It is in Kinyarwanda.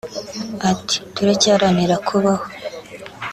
Ati “Turacyaharanira kubaho